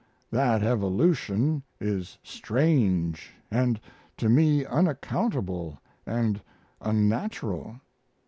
That evolution is strange & to me unaccountable & unnatural.